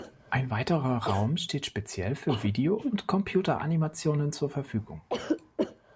Ein weiterer Raum steht speziell für Video- und Computeranimationen zur Verfügung.